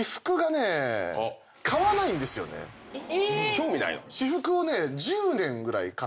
興味ないの？